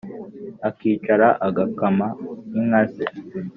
akicara agakama inká zé